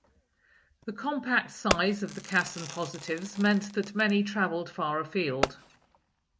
The compact size of the Casson Positives meant that many travelled far afield.